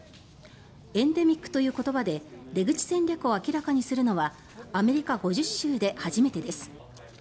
エンデミックという言葉で出口戦略を明らかにするのはアメリカ５０州で初めてです。